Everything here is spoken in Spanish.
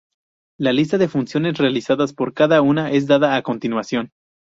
La lista de funciones realizadas por cada uno es dada a continuación.